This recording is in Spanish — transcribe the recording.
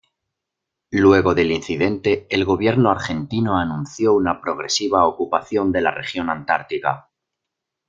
Luego del incidente, el gobierno argentino anunció una progresiva ocupación de la región antártica.